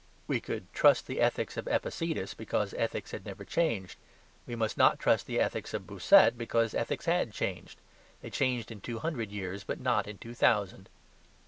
We could trust the ethics of Epictetus, because ethics had never changed. We must not trust the ethics of Bossuet, because ethics had changed. They changed in two hundred years, but not in two thousand.